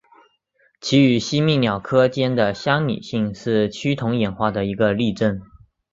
其与吸蜜鸟科间的相拟性是趋同演化的一个例证。